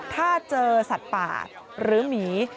ถ้าเจอสัตว์ป่าหรือหมี